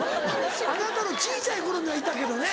あなたの小ちゃい頃にはいたけどね。